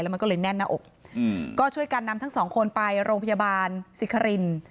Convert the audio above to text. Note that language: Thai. แล้วมันก็เลยแน่นหน้าอกอืมก็ช่วยการนำทั้งสองคนไปโรงพยาบาลสิทธิ์ครินทร์